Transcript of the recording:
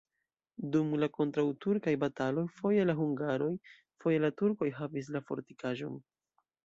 Dum la kontraŭturkaj bataloj foje la hungaroj, foje la turkoj havis la fortikaĵon.